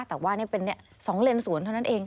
แต่ว่านี่เป็น๒เลนสวนเท่านั้นเอง